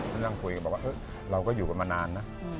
ก็นั่งคุยกันบอกว่าเราก็อยู่กันมานานนะ